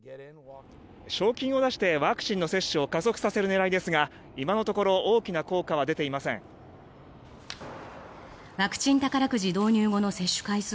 賞金を出してワクチンの接種を加速させる狙いですが今のところ大きな効果は出ていません。